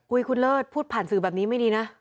คุณเลิศพูดผ่านสื่อแบบนี้ไม่ดีนะ